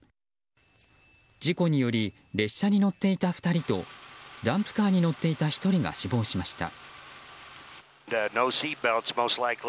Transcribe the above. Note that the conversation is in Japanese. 事故により列車に乗っていた２人とダンプカーに乗っていた１人が死亡しました。